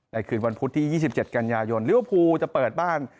ในคืนวันพุธที่ยี่สิบเจ็ดกันยายนลิเวอร์ภูจะเปิดบ้าน